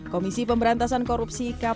komisi pemberantasan korupsi kpk